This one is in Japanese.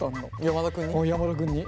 山田君に。